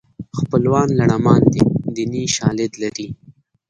خپلوان لړمان دي دیني شالید لري